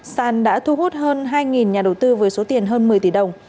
sàn đã thu hút hơn hai nhà đầu tư với số tiền hơn một mươi tỷ đồng